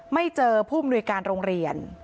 ไม่เจอผู้มนุยการโรงเรียน